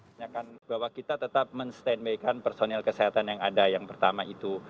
saya ingin menyampaikan bahwa kita tetap men standbykan personil kesehatan yang ada yang pertama itu